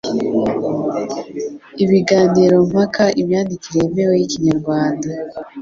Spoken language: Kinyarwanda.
Ibiganiro mpaka Imyandikire yemewe y'Ikinyarwanda